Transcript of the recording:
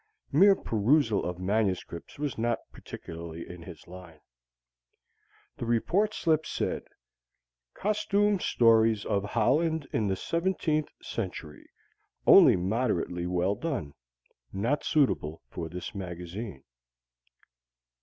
Mere perusal of manuscripts was not particularly in his line. The Report slip said: "Costume stories of Holland in the 17th Century. Only moderately well done. Not suitable for this magazine."